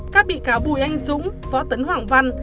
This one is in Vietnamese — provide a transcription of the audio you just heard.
các bị cáo bùi anh dũng võ tấn hoàng văn